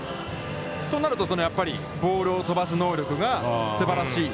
となると、ボールを飛ばす能力がすばらしい？